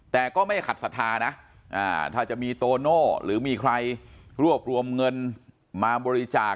แต่ก็ไม่ขัดศรัทธานะถ้าจะมีโตโน่หรือมีใครรวบรวมเงินมาบริจาค